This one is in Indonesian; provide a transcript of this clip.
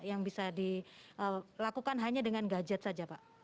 yang bisa dilakukan hanya dengan gadget saja pak